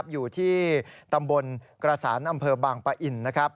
อยู่ที่ตำบลกระสานอำเภอบางปะอิน